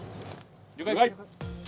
了解。